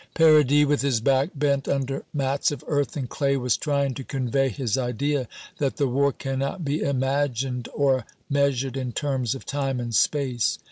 Paradis, with his back bent under mats of earth and clay, was trying to convey his idea that the war cannot be imagined or measured in terms of time and space.